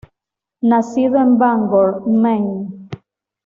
Nacido en Bangor, Maine.